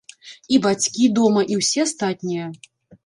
І бацькі дома, і ўсе астатнія.